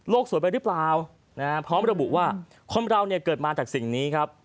สวยไปหรือเปล่าพร้อมระบุว่าคนเราเนี่ยเกิดมาจากสิ่งนี้ครับ